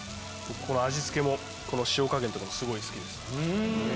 味付けも塩加減とかもすごい好きです。